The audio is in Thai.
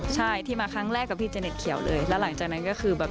ใช่ที่มาครั้งแรกกับพี่เจเน็ตเขียวเลยแล้วหลังจากนั้นก็คือแบบ